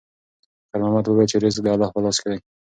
خیر محمد وویل چې رزق د الله په لاس کې دی.